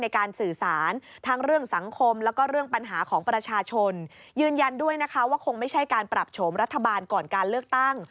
ยืนยันด้วยนะคะว่าคงไม่ใช่การปรับโฉมรัฐบาลก่อนการเลือกตั้ง